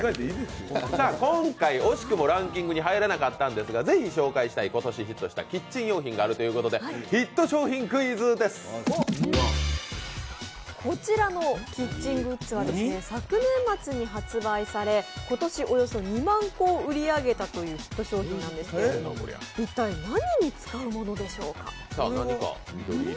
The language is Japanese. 今回、惜しくもランキングに入らなかったんですがぜひ紹介したいキッチン用品があるということでこちらのキッチングッズは昨年末に発売され今年、およそ２万個を売り上げたヒット商品なんですけど一体何に使うものでしょうか。